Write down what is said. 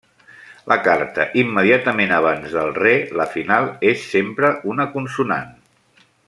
La carta immediatament abans del -re la final és sempre una consonant.